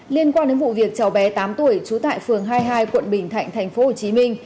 liên quan đến vụ việc cháu bé tám tuổi trú tại phường hai mươi hai quận bình thạnh thành phố hồ chí minh